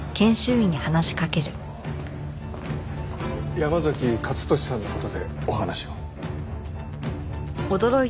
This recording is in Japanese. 山崎勝利さんの事でお話を。